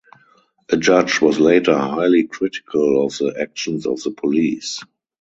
A judge was later highly critical of the actions of the police.